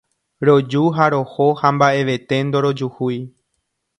Roju ha roho ha mba'evete ndorojuhúi.